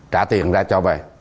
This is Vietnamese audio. trả tiền ra cho về